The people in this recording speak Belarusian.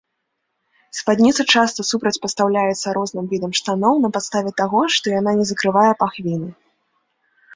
Спадніца часта супрацьпастаўляецца розным відам штаноў на падставе таго, што яна не закрывае пахвіны.